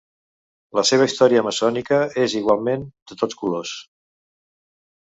La seva història maçònica és igualment de tots colors.